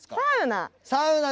サウナ？